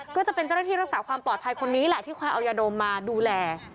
ก็จะเป็นเจ้าหน้าที่รักษาความปลอดภัยคนนี้แหละที่คอยเอายาดมมาดูแล